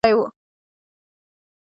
یو ایټالیایی سیلانی منوچي هند ته تللی و.